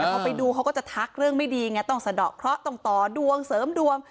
แต่พอไปดูเขาก็จะทักเรื่องไม่ดีไงต้องสะดอกเคราะห์ต้องต่อดวงเสริมดวง